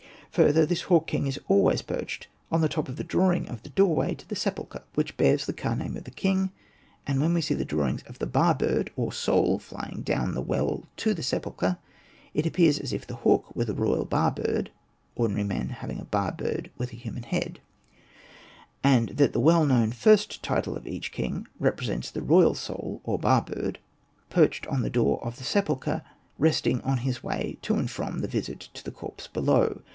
Further, this hawk king is always perched on the top of the drawing of the doorway to the sepulchre Hosted by Google REMARKS 85 which bears the ka name of the king ; and when we see the drawings of the ba bird or soul flying down the well to the sepulchre, it appears as if the hawk were the royal ba bird (ordinary men having a ba bird with a human head) ; and that the well known first title of each king represents the royal soul or ba bird perched on the door of the sepulchre, resting on his way to and from the visit to the corpse below.